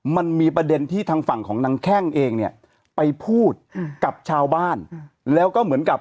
มันมีประเด็นที่ทางฝั่งของนางแข้งเองเนี่ยไปพูดกับชาวบ้านแล้วก็เหมือนกับ